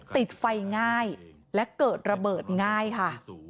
ติดไฟง่ายและเกิดระเบิดง่ายค่ะ